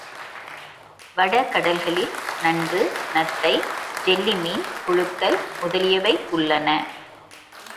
வட கடல்களில் நண்டு நத்தை, ஜெல்லி மீன், புழுக்கள் முதலியவை உள்ளன.